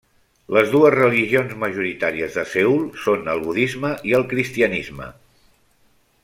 Les dues religions majoritàries de Seül són el budisme i el cristianisme.